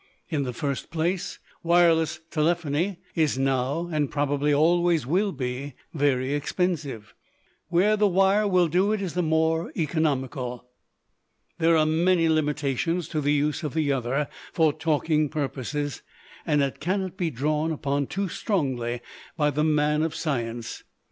In the first place, wireless telephony is now, and probably always will be, very expensive. Where the wire will do it is the more economical. There are many limitations to the use of the other for talking purposes, and it cannot be drawn upon too strongly by the man of science.